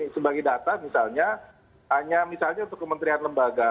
sebagai data misalnya hanya misalnya untuk kementerian lembaga